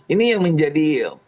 ini yang menjadi